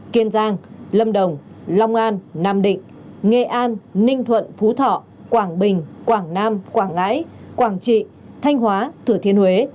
kiên giang lâm đồng long an nam định nghệ an ninh thuận phú thọ quảng bình quảng nam quảng ngãi quảng trị thanh hóa thử thiên huế